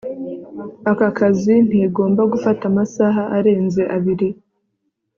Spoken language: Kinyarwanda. aka kazi ntigomba gufata amasaha arenze abiri